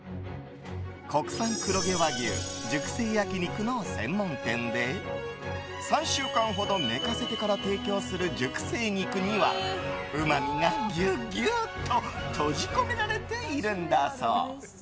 国産黒毛和牛熟成焼き肉の専門店で３週間ほど寝かせてから提供する熟成肉にはうまみがぎゅぎゅっと閉じ込められているんだそう。